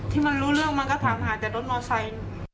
ที่มันรู้เรื่องมันก็ถามหาแต่ต้นเนาะไซน์